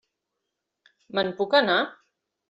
Me'n puc anar?